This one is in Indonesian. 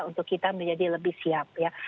untuk kita menjadi lebih siap ya